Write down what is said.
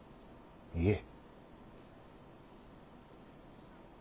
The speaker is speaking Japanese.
いえ。